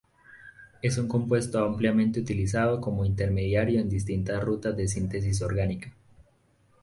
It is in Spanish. Es un compuesto ampliamente utilizado como intermediario en distintas rutas de síntesis orgánica.